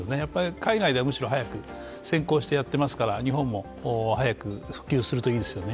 海外ではむしろ先行してやっていますから日本も早く普及するといいですよね。